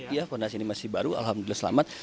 ya fondasinya masih baru alhamdulillah selamat